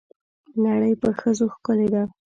نړۍ په ښځو ښکلې ده.